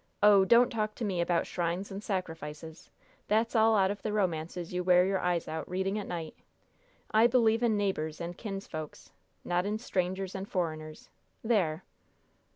"Oh, don't talk to me about shrines and sacrifices! That's all out of the romances you wear your eyes out reading at night. I believe in neighbors and in kinsfolks, not in strangers and foreigners. There!"